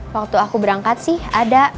waktu aku berangkat sih ada